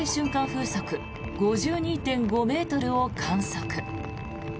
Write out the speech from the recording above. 風速５２．５ｍを観測。